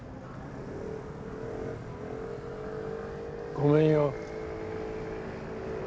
ごめんよ。